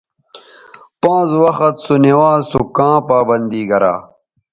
پانز وخت سونوانز سو کاں پابندی گرا